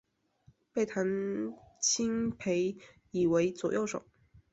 被谭鑫培倚为左右手。